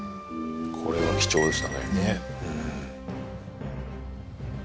これは貴重でしたね。